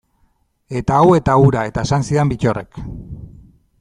Eta hau eta hura, eta esan zidan Bittorrek.